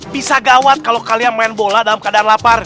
pisah gawat kalau kalian main bola dalam keadaan lapar